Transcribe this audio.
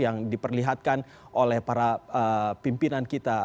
yang diperlihatkan oleh para pimpinan kita